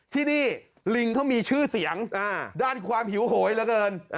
ที่นี่ลิงเขามีชื่อเสียงด้านความหิวโหยเหลือเกิน